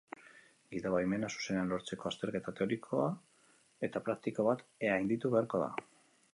Gidabaimena zuzenean lortzeko azterketa teoriko eta praktiko bat gainditu beharko da.